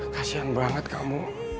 kasian banget kamu